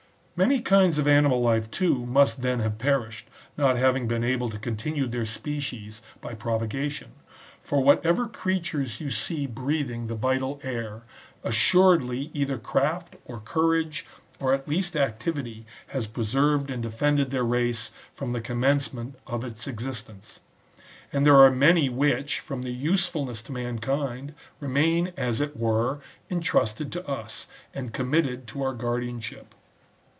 Many kinds of animal life, too, must then have perished, not having been able to continue their species by propagation. For whatever creatures you see breathing the vital air, assuredly either craft, or courage, or at least activity, has preserved and defended their race from the commencement of its existence. And there are many which, from their usefulness to mankind, remain, a^ it were, intrusted to us, and committed to our guardianship.